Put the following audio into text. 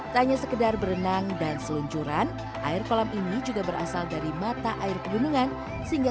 tak hanya sekedar berenang dan seluncuran air kolam ini juga berasal dari mata air pegunungan sehingga